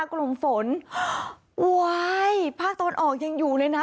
กลุ่มฝนว้ายภาคตะวันออกยังอยู่เลยนะ